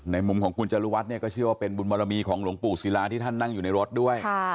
มุมของคุณจรุวัฒน์เนี่ยก็เชื่อว่าเป็นบุญบรมีของหลวงปู่ศิลาที่ท่านนั่งอยู่ในรถด้วย